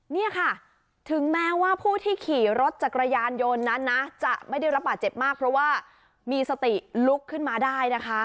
นี่ค่ะถึงแม้ว่าผู้ที่ขี่รถจักรยานยนต์นั้นนะจะไม่ได้รับบาดเจ็บมากเพราะว่ามีสติลุกขึ้นมาได้นะคะ